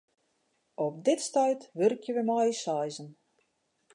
Op dit stuit wurkje wy mei ús seizen.